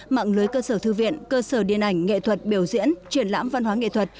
mạng lưới cơ sở thư viện cơ sở điện ảnh nghệ thuật biểu diễn triển lãm văn hóa nghệ thuật